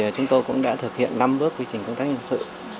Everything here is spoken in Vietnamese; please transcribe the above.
chúng tôi cũng đã thực hiện năm bước quy trình công tác nhân sự